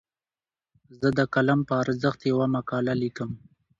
زه د قلم په ارزښت یوه مقاله لیکم.